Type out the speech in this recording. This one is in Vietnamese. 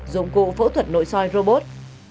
dụng cụ phẫu thuật nội soi robot